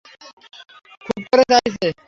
খুব করে চাইছে।